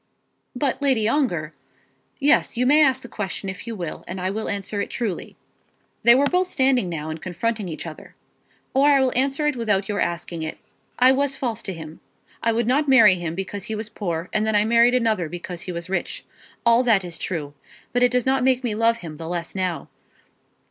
"But, Lady Ongar " "Yes; you may ask the question if you will, and I will answer it truly." They were both standing now and confronting each other. "Or I will answer it without your asking it. I was false to him. I would not marry him because he was poor; and then I married another because he was rich. All that is true. But it does not make me love him the less now.